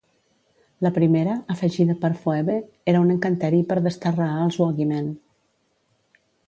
La primera, afegida per Phoebe, era un encanteri per desterrar els Woogyman.